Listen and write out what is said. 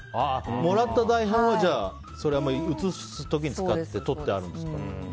もらった台本は写す時に使ってとってあるんですか。